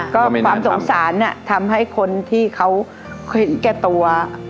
ก็ความสงสารทำให้คนที่เขาเห็นแก่ตัว